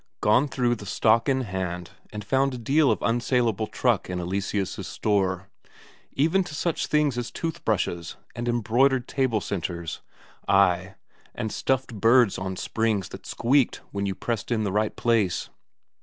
Gone through the stock in hand, and found a deal of unsalable truck in Eleseus' store, even to such things as toothbrushes and embroidered table centres; ay, and stuffed birds on springs that squeaked when you pressed in the right place.